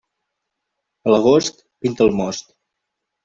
A l'agost, pinta el most.